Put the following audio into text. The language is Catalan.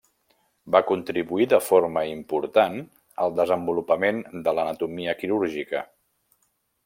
Va contribuir de forma important al desenvolupament de l'anatomia quirúrgica.